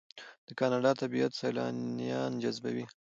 د کاناډا طبیعت سیلانیان جذبوي.